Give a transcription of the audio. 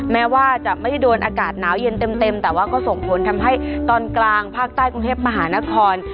แม้ว่าจะไม่ได้โดนอากาศหนาวเย็นเต็มแต่ว่าก็ส่งผลทำให้ตอนกลางภาคใต้กรุงเทพมหานคร